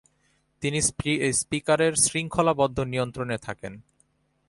তিনি স্পিকারের শৃঙ্খলাবদ্ধ নিয়ন্ত্রণে থাকেন।